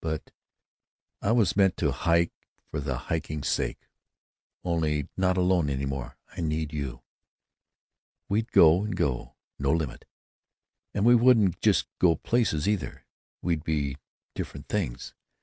But I was meant to hike for the hiking's sake.... Only, not alone any more. I need you.... We'd go and go. No limit.... And we wouldn't just go places, either; we'd be different things.